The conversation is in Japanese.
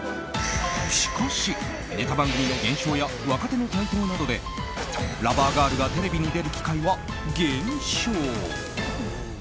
しかし、ネタ番組の減少や若手の台頭などでラバーガールがテレビに出る機会は減少。